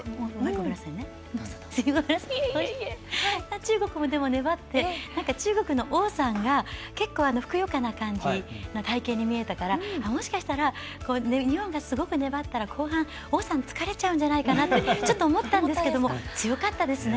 中国も粘って中国の王さんが結構、ふくよかな感じの体形に見えたから、もしかしたら日本がすごく粘ったら王さん疲れちゃうんじゃないかなとちょっと思ったんですけど強かったですね。